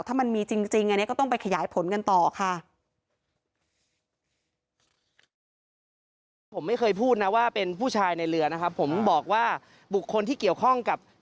ถ้ามันมีจริงอันนี้ก็ต้องไปขยายผลกันต่อค่ะ